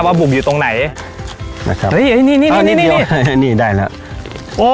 ว่าบุกอยู่ตรงไหนนะครับนี่นี่นี่นี่นี่นี่ได้แล้วโอ้